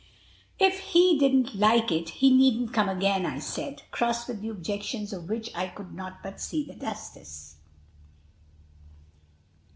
"If he didn't like it, he needn't come again," I said, cross with the objections of which I could not but see the justice.